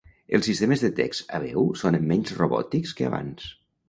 Els sistemes de text a veu sonen menys robòtics que abans.